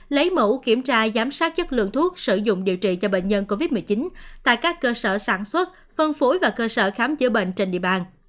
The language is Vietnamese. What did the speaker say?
lấy mẫu kiểm tra giám sát chất lượng thuốc sử dụng điều trị cho bệnh nhân covid một mươi chín tại các cơ sở sản xuất phân phối và cơ sở khám chữa bệnh trên địa bàn